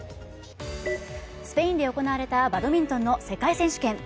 スペインで行われたバドミントンの世界選手権。